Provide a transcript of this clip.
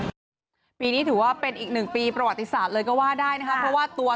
นะฟ้าวุ่นนะคะพวกวันนี้ถือว่าเป็นอีก๑ปีประวัติศาสตร์เลยก็ว่าได้นะครับเพราะว่าตัว